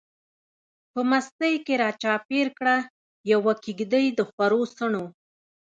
په مستۍ کی را چار پیر کړه، یوه کیږدۍ دخورو څڼو